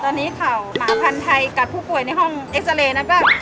ตอนนี้ข่าวหมาพันธ์ไทยกัดผู้ป่วยในห้องเอ็กซาเรย์นั้นก็